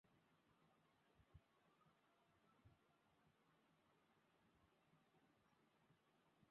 তিনি দীর্ঘদিন ঢাকা বিশ্ববিদ্যালয়ের অধ্যাপক হিসেবে নিয়োজিত ছিলেন।